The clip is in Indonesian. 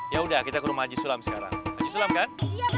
ya udah kita ke rumah haji sulam sekarang haji sulam kan